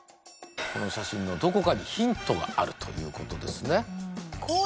この写真のどこかにヒントがあるということですね